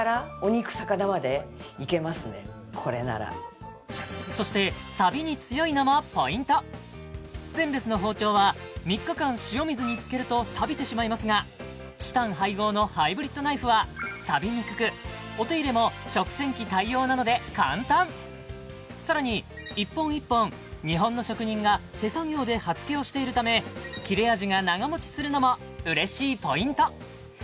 これならそしてサビに強いのもポイントステンレスの包丁は３日間塩水につけるとさびてしまいますがチタン配合のハイブリッドナイフはさびにくくお手入れも食洗機対応なので簡単さらに１本１本日本の職人が手作業で刃付けをしているため切れ味が長持ちするのもうれしいポイント